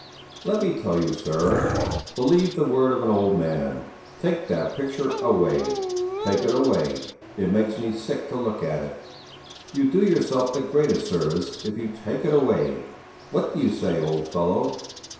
Let me tell you, sir! Believe the word of an old man: take that picture away! Take it away! It makes me sick to look at it. You do yourself the greatest service if you take it away. What do you say, old fellow?"